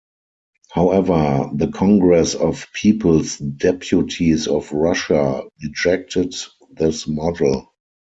However, the Congress of People's Deputies of Russia rejected this model.